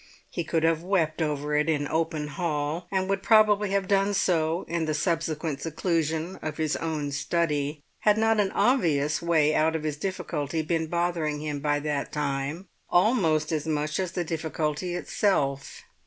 He could have wept over it in open hall, and would probably have done so in the subsequent seclusion of his own study, had not an obvious way out of his difficulty been bothering him by that time almost as much as the difficulty itself.